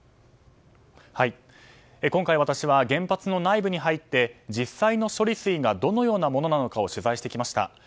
今回、私は原発の内部に入って実際の処理水がどのようなものなのかを取材してきました。